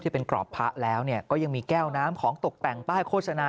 เป็นกรอบพระแล้วก็ยังมีแก้วน้ำของตกแต่งป้ายโฆษณา